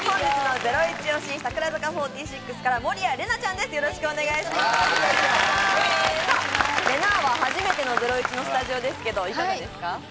麗奈は初めての『ゼロイチ』のスタジオですがいかがですか？